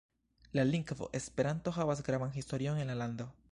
La lingvo Esperanto havas gravan historion en la lando.